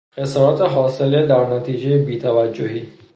خسارت حاصله در نتیجهی بی توجهی